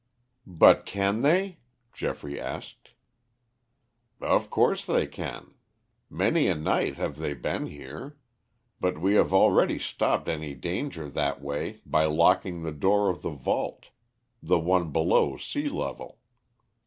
"But can they?" Geoffrey asked. "Of course they can. Many a night have they been here. But we have already stopped any danger that way by locking the door of the vault, the one below sea level.